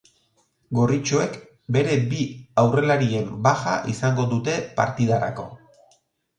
Gorritxoek bere bi aurrelarien baja izango dute partidarako.